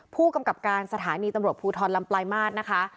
ผู้กำกับการสถานีตำรวจภูทรลำปลายมาตรนะคะ